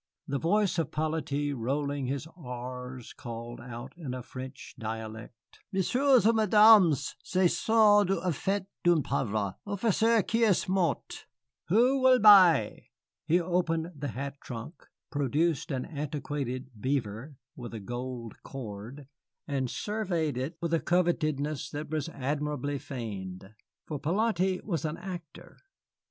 The voice of Hippolyte rolling his r's called out in a French dialect: "M'ssieurs et Mesdames, ce sont des effets d'un pauvre officier qui est mort. Who will buy?" He opened the hat trunk, produced an antiquated beaver with a gold cord, and surveyed it with a covetousness that was admirably feigned. For 'Polyte was an actor.